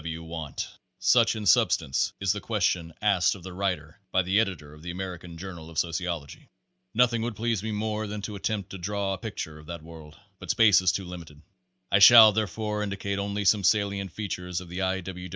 W. W. want?" Such, in substance, is the question asked of the writer by the editor of the American Journal of Sociology. Nothing would please me more than to attempt to draw a picture of that world; but space is too limited. I shall, therefore, indicate only some salient features of the I. W.